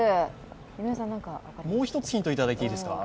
もう一つヒントいただいてもいいですか？